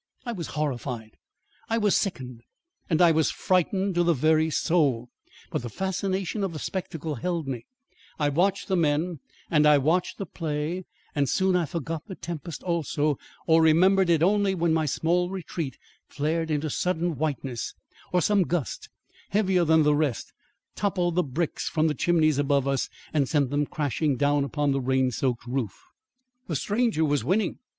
I was horrified, I was sickened, and I was frightened to the very soul, but the fascination of the spectacle held me; I watched the men and I watched the play and soon I forgot the tempest also, or remembered it only when my small retreat flared into sudden whiteness, or some gust, heavier than the rest, toppled the bricks from the chimneys above us and sent them crashing down upon the rain soaked roof. The stranger was winning.